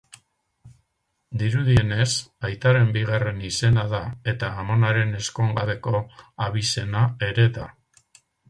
Dirudienez, aitaren bigarren izena da eta amonaren ezkongabeko abizena ere da.